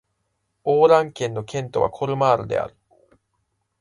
オー＝ラン県の県都はコルマールである